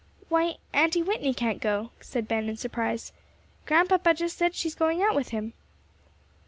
"Why, Aunty Whitney can't go," said Ben, in surprise. "Grandpapa just said she is going out with him."